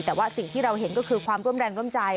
แต่ว่าสิ่งที่เราเห็นก็คือความร่วมแรงร่วมใจ